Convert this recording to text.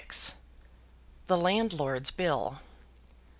The Landlord's Bill.